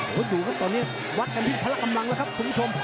โอ้โหอยู่กันตอนนี้วัดกันที่พระคำลังแล้วครับคุณผู้ชม